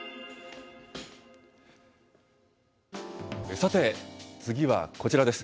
さて、次はこちらです。